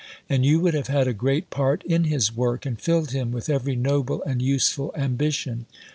And you would have had a great part in his work and filled him with every noble and useful ambition.